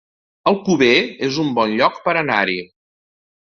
Alcover es un bon lloc per anar-hi